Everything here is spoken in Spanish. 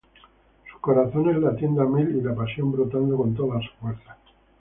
Sus corazones latiendo a mil y la pasión brotando con todas sus fuerzas.